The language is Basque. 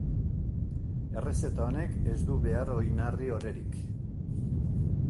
Errezeta honek ez du behar oinarri-orerik.